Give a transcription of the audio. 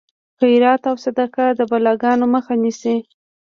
خیرات او صدقه د بلاګانو مخه نیسي.